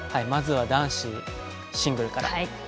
まずは男子シングルから。